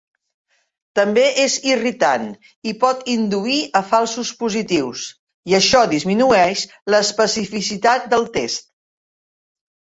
També és irritant i pot induir a falsos positius, i això disminueix l'especificitat del test.